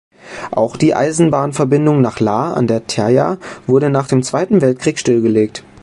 Auch die Eisenbahnverbindung nach Laa an der Thaya wurde nach dem Zweiten Weltkrieg stillgelegt.